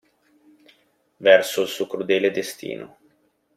Verso il suo crudele destino.